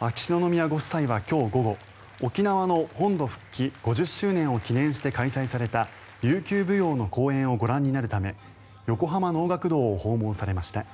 秋篠宮ご夫妻は今日午後沖縄の本土復帰５０周年を記念して開催された琉球舞踊の公演をご覧になるため横浜能楽堂を訪問されました。